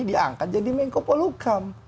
diangkat jadi mengkopolukam